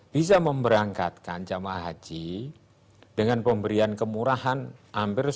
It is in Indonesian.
bisa memberangkatkan jamaah haji dengan pemberian kemurahan aminat